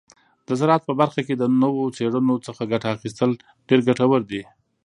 د زراعت په برخه کې د نوو څیړنو څخه ګټه اخیستل ډیر ګټور دي.